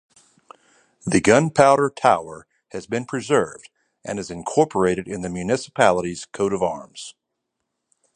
The Gunpowder Tower has been preserved, and is incorporated in the municipality's coat-of-arms.